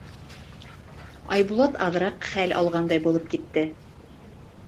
Айбулат аҙыраҡ хәл алғандай булып китте.